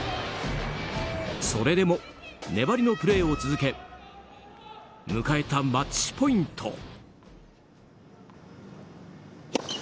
それでも粘りのプレーを続け迎えたマッチポイント。